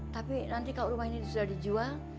tapi nanti kalau rumah ini sudah dijual